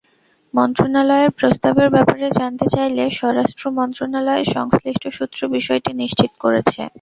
মন্ত্রণালয়ের প্রস্তাবের ব্যাপারে জানতে চাইলে স্বরাষ্ট্র মন্ত্রণালয়ের সংশ্লিষ্ট সূত্র বিষয়টি নিশ্চিত করেছে।